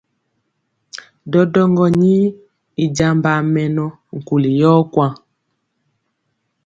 Ɗɔɗɔŋgɔ ni i jambaa mɛnɔ nkuli yɔ kwaŋ.